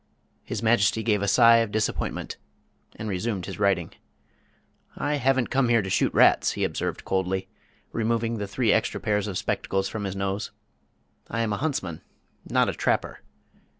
His Majesty gave a sigh of disappointment, and resumed his writing. "I haven't come here to shoot rats," he observed coldly, removing the three extra pairs of spectacles from his nose. "I am a huntsman, not a trapper."